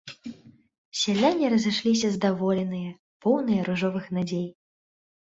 Сяляне разышліся здаволеныя, поўныя ружовых надзей.